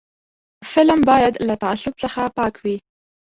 فلم باید له تعصب څخه پاک وي